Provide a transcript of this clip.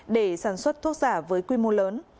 để sản xuất thuốc giả với quy mô lớn